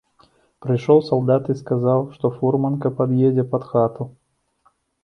Прыйшоў салдат і сказаў, што фурманка пад'едзе пад хату.